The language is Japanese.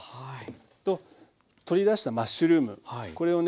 と取り出したマッシュルームこれをね